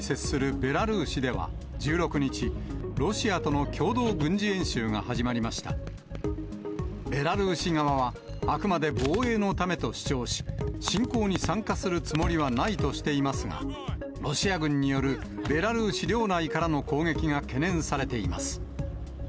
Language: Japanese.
ベラルーシ側は、あくまで防衛のためと主張し、侵攻に参加するつもりはないとしていますが、ロシア軍によるベラルーシ領内からの攻撃が懸念されています。